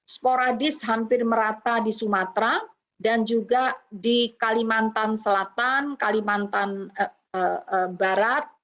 sporadis hampir merata di sumatera dan juga di kalimantan selatan kalimantan barat